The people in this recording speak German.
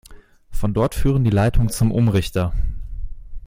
Von dort führen die Leitungen zum Umrichter.